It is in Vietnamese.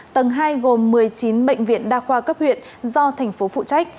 tầng hai gồm một mươi chín bệnh viện đa khoa cấp huyện do thành phố phụ trách